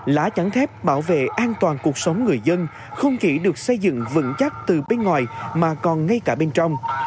lá chắn thép bảo vệ an toàn cuộc sống người dân không chỉ được xây dựng vững chắc từ bên ngoài mà còn ngay cả bên trong